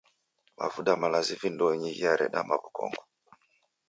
Mavuda malazi vindonyi ghiareda maw'ukongo.